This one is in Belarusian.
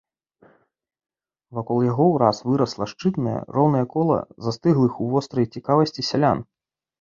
Вакол яго ўраз вырасла шчытнае, роўнае кола застыглых у вострай цікавасці сялян.